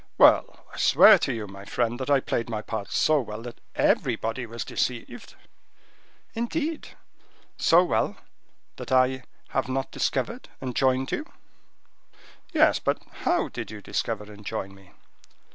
"Well, I swear to you my friend, that I played my part so well that everybody was deceived." "Indeed! so well, that I have not discovered and joined you?" "Yes; but how did you discover and join me?"